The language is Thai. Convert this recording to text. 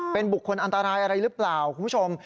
เป็นบุคคลอันตรายอะไรหรือเปล่าคุณผู้ชม